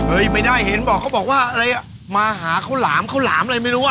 เฮ้ยไม่ได้เห็นบอกว่าอะไรมาหาเขางราวเขาหาอะไรไม่รู้